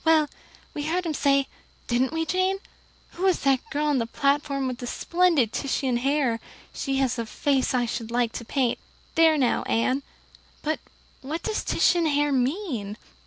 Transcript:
Well, we heard him say didn't we, Jane? 'Who is that girl on the platform with the splendid Titian hair? She has a face I should like to paint.' There now, Anne. But what does Titian hair mean?"